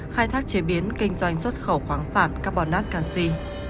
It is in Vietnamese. khai thác chế biến kinh doanh xuất khẩu khoáng sản carbonac canxi